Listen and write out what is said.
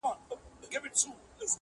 عزراییل دي ستا پر عقل برابر سي.!